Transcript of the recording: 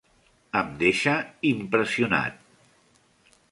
Em deixa impressionat.